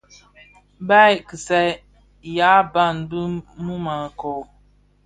Baa (kisyea) yàa ban bì mum a kɔɔ.